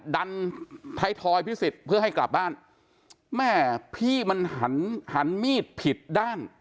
ดันไทยทอยพิสิทธิ์เพื่อให้กลับบ้านแม่พี่มันหันหันมีดผิดด้าน